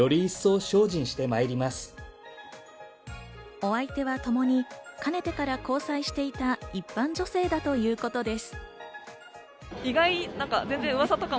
お相手は共に、かねてから交際していた一般女性だということです。